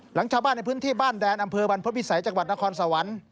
ชาวบ้านในพื้นที่บ้านแดนอำเภอบรรพฤษัยจังหวัดนครสวรรค์